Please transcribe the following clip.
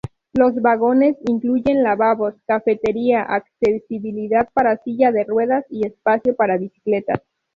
Los vagones incluyen lavabos, cafetería, accesibilidad para silla de ruedas y espacio para bicicletas.